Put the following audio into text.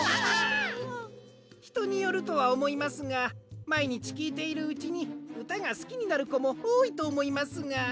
ひとによるとはおもいますがまいにちきいているうちにうたがすきになるこもおおいとおもいますが。